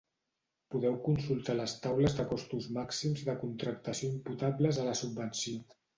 Podeu consultar les taules de costos màxims de contractació imputables a la subvenció.